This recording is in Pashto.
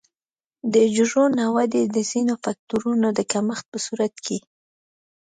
د حجرو د نه ودې د ځینو فکټورونو د کمښت په صورت کې.